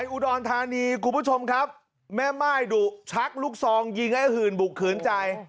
อุดรธานีคุณผู้ชมครับแม่ม่ายดุชักลูกซองยิงไอ้หื่นบุกขืนใจ